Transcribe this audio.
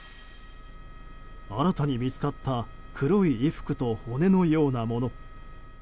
新たに見つかった黒い衣服と骨のようなもの。